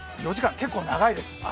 ４時間、結構長いです。